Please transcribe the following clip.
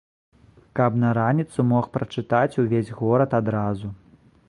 Каб на раніцу мог прачытаць увесь горад адразу.